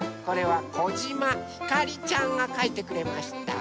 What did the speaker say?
これはこじまひかりちゃんがかいてくれました。